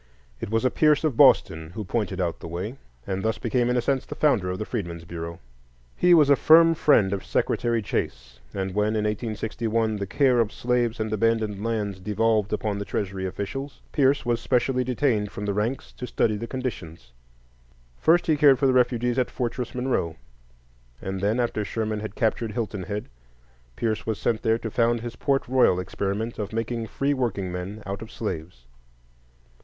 It was a Pierce of Boston who pointed out the way, and thus became in a sense the founder of the Freedmen's Bureau. He was a firm friend of Secretary Chase; and when, in 1861, the care of slaves and abandoned lands devolved upon the Treasury officials, Pierce was specially detailed from the ranks to study the conditions. First, he cared for the refugees at Fortress Monroe; and then, after Sherman had captured Hilton Head, Pierce was sent there to found his Port Royal experiment of making free workingmen out of slaves.